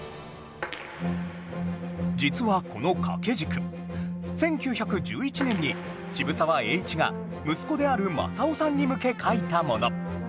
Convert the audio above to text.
実はこの掛け軸１９１１年に渋沢栄一が息子である正雄さんに向け書いたもの